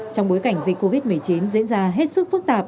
trong bối cảnh dịch covid một mươi chín diễn ra hết sức phức tạp